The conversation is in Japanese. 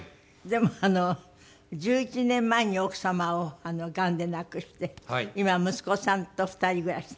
でも１１年前に奥様をがんで亡くして今は息子さんと２人暮らし。